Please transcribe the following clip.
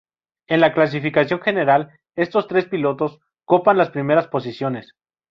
En la clasificación general, estos tres pilotos copan las primeras posiciones.